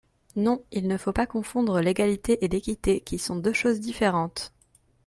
Non, il ne faut pas confondre l’égalité et l’équité, qui sont deux choses différentes.